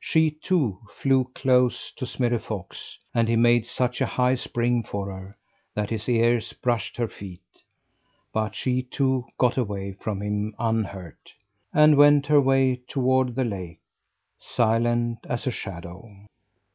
She, too, flew close to Smirre Fox, and he made such a high spring for her, that his ears brushed her feet. But she, too, got away from him unhurt, and went her way toward the lake, silent as a shadow.